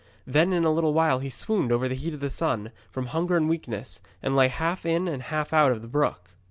Then in a little while he swooned under the heat of the sun, from hunger and weakness, and lay half in and half out of the brook.